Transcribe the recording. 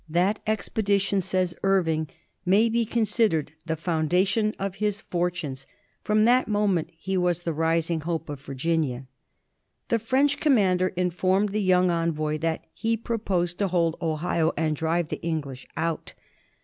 That expedition, says Irving, " may be considered the founda tion of his fortunes. From that moment he was the ris ing hope of Virginia." The French commander informed the young envoy that he proposed to hold Ohio and drive the English out.